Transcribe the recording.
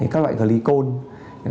các loại glycogen